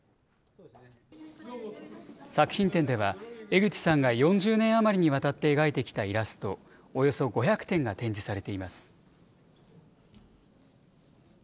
作品展では江口さんが４０年余りにわたって描いてきたイラストおよそ５００点が展示されています。